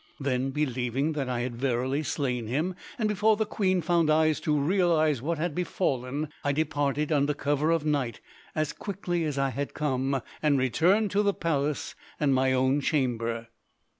Then believing that I had verily slain him, and before the queen found eyes to realize what had befallen, I departed under cover of night as quickly as I had come, and returned to the palace and my own chamber.